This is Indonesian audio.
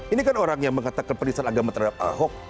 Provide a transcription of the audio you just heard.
ini kan orang yang mengatakan peristahan agama terhadap ahok